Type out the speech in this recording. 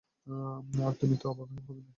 আর তুমি তো অবাকই হলে না।